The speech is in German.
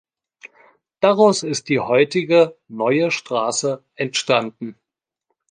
Daraus ist die heutige „Neue Straße“ entstanden.